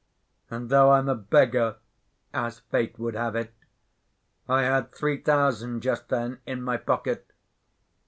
And though I'm a beggar, as fate would have it, I had three thousand just then in my pocket.